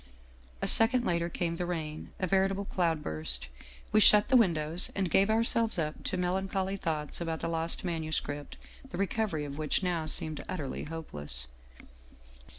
" A second later came the rain, a veritable cloud burst. We shut the windows and gave ourselves up to melancholy thoughts about the lost manuscript, the recovery of which now seemed utterly hopeless.